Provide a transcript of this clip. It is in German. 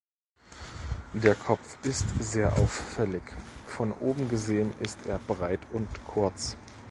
Der Kopf ist sehr auffällig: Von oben gesehen ist er breit und kurz.